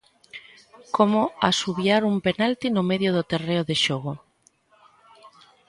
Como asubiar un penalti no medio do terreo de xogo.